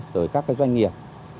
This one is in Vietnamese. rồi các doanh nghiệp